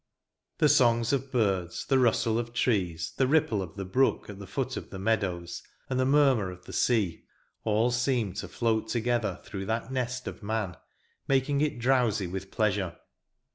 The songs of birds, the rustle of trees, the ripple of the brook at the foot of the meadows and the murmur of the sea, all seem to float together through that nest of man, making it drowsy with pleasure.